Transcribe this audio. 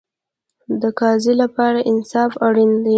د قاضي لپاره انصاف اړین دی